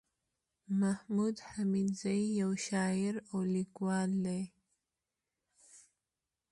محمود حميدزى يٶ شاعر او ليکوال دئ